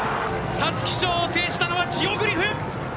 皐月賞を制したのはジオグリフ！